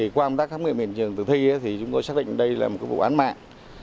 qua khám nghiệm hiện trường tử thi chúng tôi xác định đây là một vụ án mạng